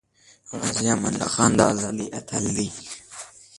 غازی امان الله خان د ازادی اتل دی